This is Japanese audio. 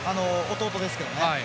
弟ですけどね。